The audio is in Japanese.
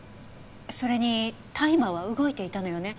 それにタイマーは動いていたのよね。